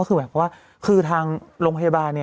คือแบบว่าทางโรงพยาบาล